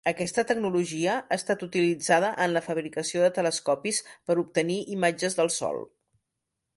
Aquesta tecnologia ha estat utilitzada en la fabricació de telescopis per obtenir imatges del Sol.